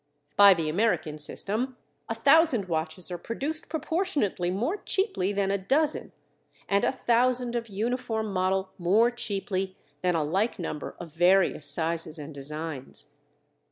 By the American system, a thousand watches are produced proportionately more cheaply than a dozen; and a thousand of uniform model more cheaply than a like number of various sizes and designs.